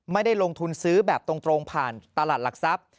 ไม่ได้ลงทุนซื้อแบบตรงผ่านตลาดหลักทรัพย์